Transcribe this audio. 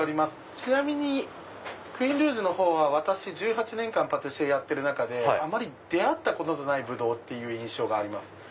ちなみにクイーンルージュは１８年間パティシエやってる中であまり出会ったことのないブドウっていう印象があります。